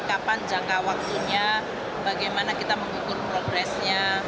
kapan jangka waktunya bagaimana kita mengukur progresnya